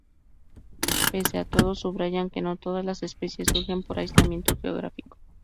Pese a todo, subrayan que no todas las especies surgen por aislamiento geográfico.